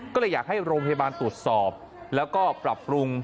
ก็เลยอยากให้โรงพยาบาลตรวจสอบแล้วก็ปรับปรุง